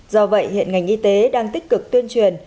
do vậy hiện ngành y tế đang tích cực tuyên truyền